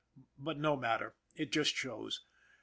But no matter. It just shows.